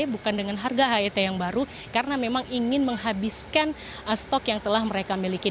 bukan dengan harga het yang baru karena memang ingin menghabiskan stok yang telah mereka miliki